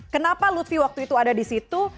kenapa lutfi waktu itu ada di situ